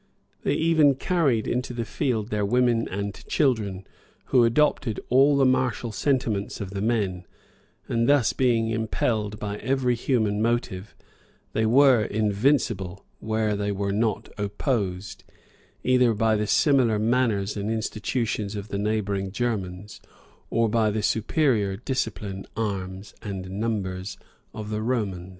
They even carried into the field their women and children, who adopted all the martial sentiments of the men: and being thus impelled by every human motive, they were invincible; where they were no[possibly the word is not] opposed, either by the similar manners and institutions of the neighboring Germans, or by the superior discipline, arms, and numbers of the Romans.